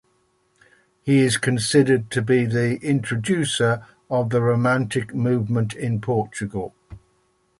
He is considered to be the introducer of the Romantic movement in Portugal.